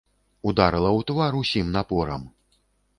Ударыла ў твар усім напорам.